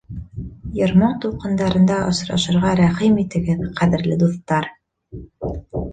Йыр-моң тулҡындарында осрашырға рәхим итегеҙ, ҡәҙерле дуҫтар!